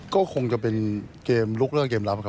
ก็คงจะเป็นเกมลุกเลิกเกมรับครับ